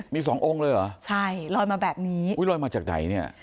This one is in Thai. มีสององค์เลยเหรอใช่ลอยมาแบบนี้อุ้ยลอยมาจากไหนเนี่ย